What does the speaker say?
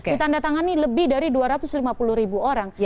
ditanda tangani lebih dari dua ratus lima puluh ribu orang